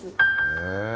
へえ